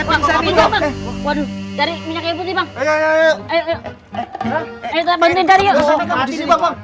ayo tarik bantuin cari yuk